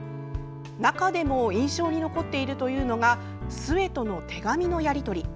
中でも印象に残っているというのが壽衛との手紙のやりとり。